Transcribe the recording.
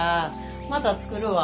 また作るわ。